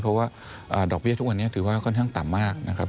เพราะว่าดอกเบี้ยทุกวันนี้ถือว่าค่อนข้างต่ำมากนะครับ